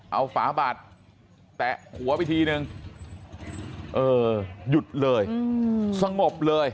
เอาฝาบาดแตะหัวไปทีนึงเออหยุดเลยสงบเลย